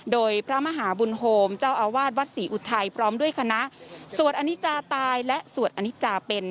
โดยพระมหาบุญโฮมเจ้าอาวาสวัดศรีอุทัยพร้อมด้วยคณะสวดอนิจาตายและสวดอนิจาเป็น